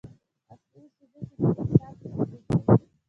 اصلي اوسیدونکي په اقتصاد کې ګډون کوي.